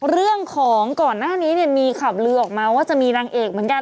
เรื่องของก่อนหน้านี้เนี่ยมีข่าวลือออกมาว่าจะมีนางเอกเหมือนกัน